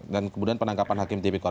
dan kemudian penangkepan hakim tipikor